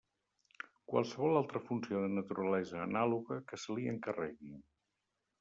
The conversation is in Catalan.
Qualsevol altra funció de naturalesa anàloga que se li encarregui.